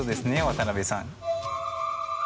渡部さん。